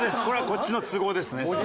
これはこっちの都合ですね。